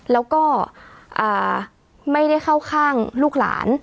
แล้วก็ไม่ได้เข้าข้างลูกหลาน